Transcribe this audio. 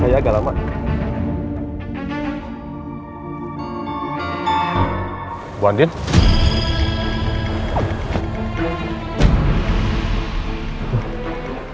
saya kembali lagi ke mobil pak